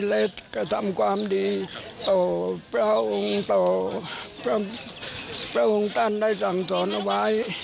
และกระทำความดีต่อพระองค์ต่อพระองค์ท่านได้สั่งสอนเอาไว้